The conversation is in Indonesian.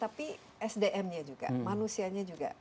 tapi sdm nya juga manusianya juga